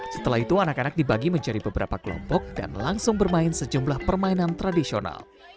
setelah itu anak anak dibagi menjadi beberapa kelompok dan langsung bermain sejumlah permainan tradisional